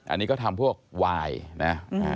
อันนี้ก็ทำพวกวายนะ